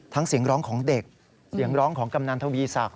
เสียงร้องของเด็กเสียงร้องของกำนันทวีศักดิ